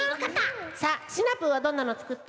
さあシナプーはどんなのつくった？